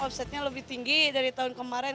omsetnya lebih tinggi dari tahun kemarin